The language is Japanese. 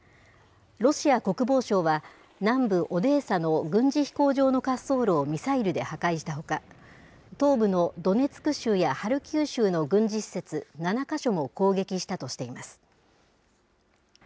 ロシア国防省は、南部オデーサの軍事飛行場の滑走路をミサイルで破壊したほか、東部のドネツク州やハルキウ州の軍事施設７か所も攻撃したとしています。